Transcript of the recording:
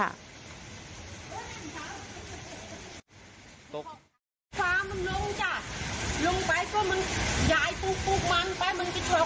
ฟ้าฝนทั้งหมดก็๑๐คนจับ